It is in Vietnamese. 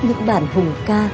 những bản hùng ca